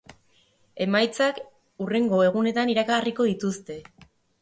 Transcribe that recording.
Emaitzak hurrengo egunetan iragarriko dituzte.